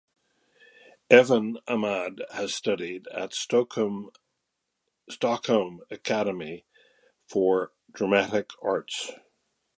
Evin Ahmad has studied at Stockholm Academy of Dramatic Arts.